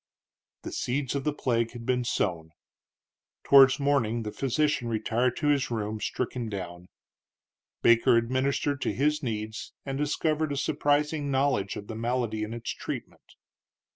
The seeds of the plague had been sown. Towards morning the physician retired to his room, stricken down. Baker administered to his needs, and discovered a surprising knowledge of the malady and its treatment.